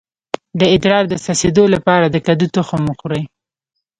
د ادرار د څڅیدو لپاره د کدو تخم وخورئ